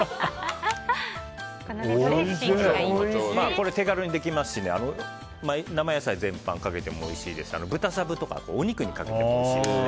これ、手軽にできますし生野菜全般にかけてもおいしいですし豚しゃぶとかお肉にかけてもおいしいので。